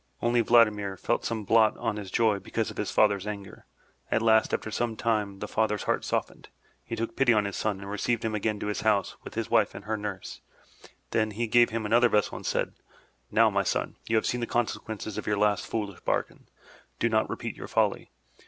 Only Vladimir felt some blot on his joy because of his father's anger. At last, after some time, the father's heart softened; he took pity on his son and received him again to his house with his wife and her nurse. Then he gave him another vessel and said: '*Now, my son, you have seen the consequences of your last foolish bargain. Do not repeat your folly.